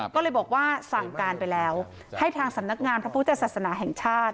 ก็เลยบอกว่าสั่งการไปแล้วให้ทางสำนักงานพระพุทธศาสนาแห่งชาติ